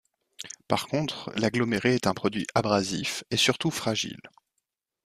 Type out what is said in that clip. Par contre, l'aggloméré est un produit abrasif, et surtout fragile.